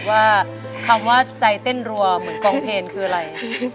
ว่าคำว่าใจเต้นรัวเหมือนกองเพลงคืออะไร